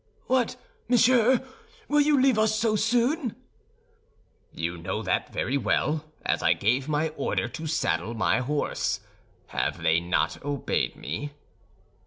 "What, monsieur, will you leave us so soon?" "You know that very well, as I gave my order to saddle my horse. Have they not obeyed me?"